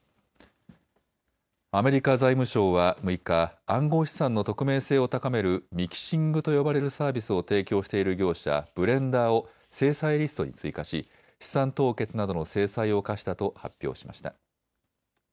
アメリカ財務省は６日、暗号資産の匿名性を高めるミキシングと呼ばれるサービスを提供している業者、ブレンダーを制裁リストに追加し資産凍結などの制裁を科したと発表しました。